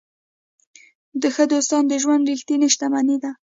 ښه دوستان د ژوند ریښتینې شتمني ده.